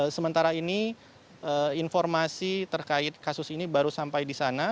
sementara ini informasi terkait kasus ini baru sampai di sana